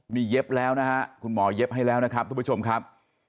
มีเย็บแล้วคุณหมอเย็บให้แล้วทุกผู้ชมครับ